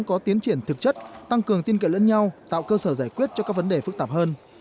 có tiến triển thực chất tăng cường tin cậy lẫn nhau tạo cơ sở giải quyết cho các vấn đề phức tạp hơn